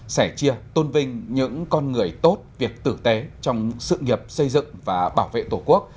sẻ chia tôn vinh những con người tốt việc tử tế trong sự nghiệp xây dựng và bảo vệ tổ quốc